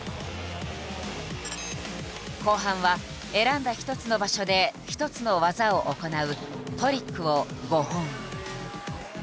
後半は選んだ１つの場所で１つの技を行う「トリック」を５本。